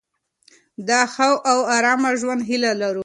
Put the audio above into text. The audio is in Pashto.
د ښه او آرامه ژوند هیله لرو.